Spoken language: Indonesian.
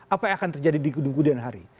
apa yang akan terjadi di kemudian hari